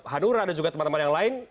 hanura dan juga teman teman yang lain